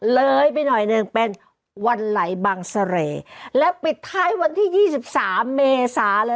๒๓เลยไปหน่อยนึงเป็นวันไหลบางเสร่และปิดท้ายวันที่๒๓เมษาเลย